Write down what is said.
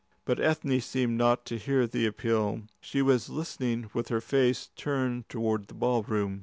But Ethne seemed not to hear the appeal. She was listening with her face turned toward the ballroom.